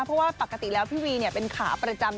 เพราะว่าปกติแล้วพี่วีเป็นขาประจำ